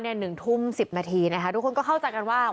ถ้าเลือดไปจากนี้แล้วก็อาจจะเป็นวันฝูนไหมคะ